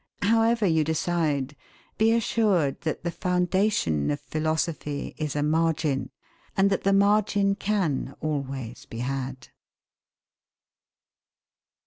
However you decide, be assured that the foundation of philosophy is a margin, and that the margin can always be had.